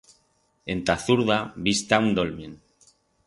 Ent'a zurda bi'stá un dolmen.